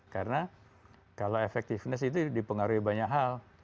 karena kalau efektifness itu dipengaruhi banyak hal